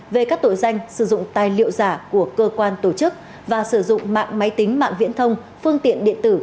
về các tội danh sử dụng tài liệu giả của cơ quan tổ chức và sử dụng mạng máy tính mạng viễn thông phương tiện điện tử